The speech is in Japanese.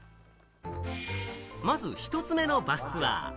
まず１つ目のバスツアー。